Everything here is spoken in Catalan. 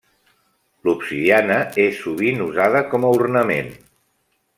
L'obsidiana és sovint usada com a ornament.